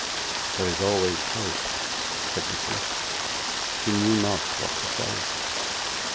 'There is always hope,' said Nicholas; he knew not what to say.